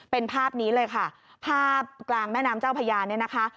เป็นภาพนี้เลยค่ะภาพกลางแม่น้ำเจ้าพญาเนี่ยนะคะ